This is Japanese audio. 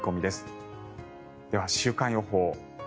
では、週間予報。